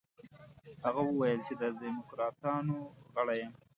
هغه وویل چې د دموکراتانو غړی یم.